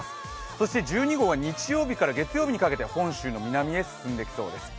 そして１２号は日曜日から月曜日にかけて本州の南へ移動しそうです。